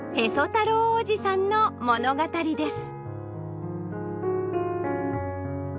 太郎おじさんの物語です。